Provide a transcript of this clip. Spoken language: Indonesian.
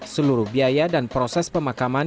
seluruh biaya dan proses pemakaman